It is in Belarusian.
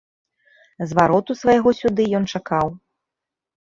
Звароту свайго сюды ён чакаў.